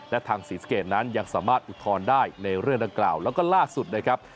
และทางศรีสะเกดนั้นยังสามารถอุทธรณ์ได้ในเรื่องดังกล่าวแล้วก็ล่าสุดนะครับ